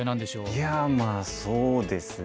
いやまあそうですね